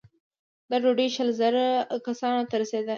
دا ډوډۍ شل زره کسانو ته رسېده.